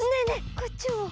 こっちも！